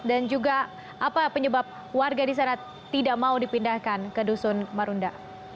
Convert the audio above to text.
dan juga apa penyebab warga di sana tidak mau dipindahkan ke dusun marunda